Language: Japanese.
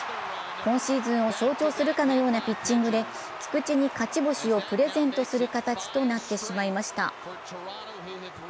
今シーズンを象徴するかのようなピッチングで菊池に勝ち星をプレゼントする形となってしまいました。